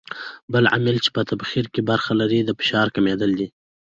بل عامل چې په تبخیر کې برخه لري د فشار کمېدل دي.